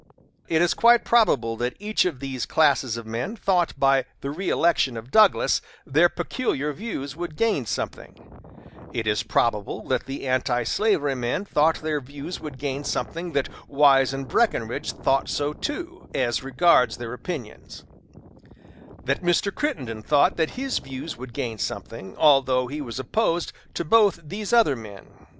It is quite probable that each of these classes of men thought by the reëlection of Douglas their peculiar views would gain something; it is probable that the antislavery men thought their views would gain something that Wise and Breckinridge thought so too, as regards their opinions; that Mr. Crittenden thought that his views would gain something, although he was opposed to both these other men.